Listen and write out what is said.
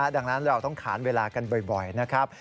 ดังนั้นเราต้องขานเวลากันบ่อยนะครับ